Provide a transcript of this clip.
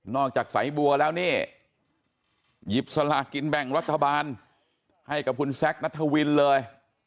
จากสายบัวแล้วนี่หยิบสลากินแบ่งรัฐบาลให้กับคุณแซคนัทวินเลย